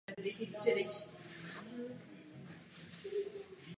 Tradičně je ekonomika založena na zemědělství.